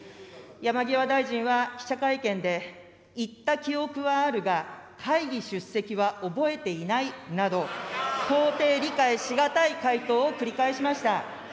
山際大臣は記者会見で、行った記憶はあるが、会議出席は覚えていないなど、到底理解し難い回答を繰り返しました。